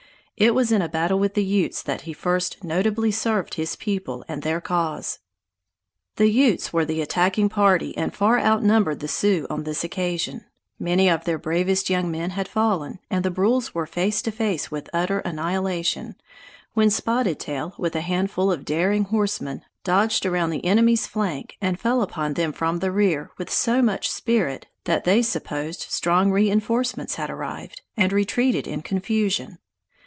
It was in a battle with the Utes that he first notably served his people and their cause. The Utes were the attacking party and far outnumbered the Sioux on this occasion. Many of their bravest young men had fallen, and the Brules were face to face with utter annihilation, when Spotted Tail, with a handful of daring horsemen, dodged around the enemy's flank and fell upon them from the rear with so much spirit that they supposed that strong reinforcements had arrived, and retreated in confusion.